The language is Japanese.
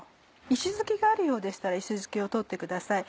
石突きがあるようでしたら石突きを取ってください。